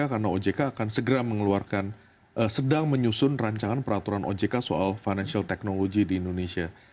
karena ojk akan segera mengeluarkan sedang menyusun peraturan ojk soal financial technology di indonesia